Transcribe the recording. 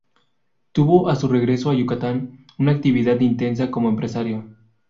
Tuvo, a su regreso a Yucatán, una actividad intensa como empresario.